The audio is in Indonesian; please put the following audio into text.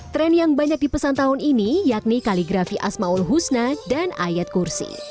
tren yang banyak dipesan tahun ini yakni kaligrafi ⁇ asmaul husna dan ayat kursi